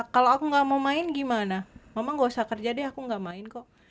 kalau aku nggak mau main gimana memang gak usah kerja deh aku gak main kok